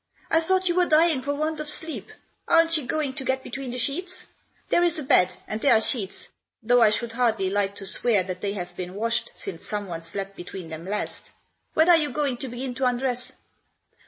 " I thought you were dying for want of sleep. Aren't you going to get between the sheets ? There is a bed, and there are sheets, though I should hardly like to swear that they have been washed since someone slept between them last. When are you going to begin to undress